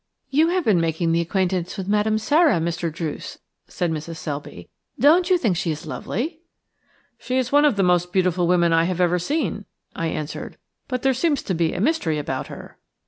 "You have been making acquaintance with Madame Sara, Mr. Druce," said Mrs. Selby. "Don't you think she is lovely?" "She is one of the most beautiful women I have ever seen," I answered, "but there seems to be a mystery about her."